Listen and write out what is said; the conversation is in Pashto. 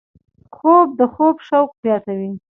خوب د خوب شوق زیاتوي